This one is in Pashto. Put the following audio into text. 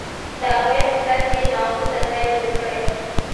د اغوئ په سر کې يې ماغزو ته ځای جوړ کړی.